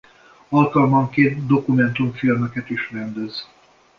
Alkalmanként dokumentumfilmeket is rendez.